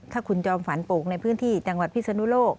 ถ้าคุณจอมฝันปลูกในพื้นที่จังหวัดพิศนุโลก